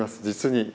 実に。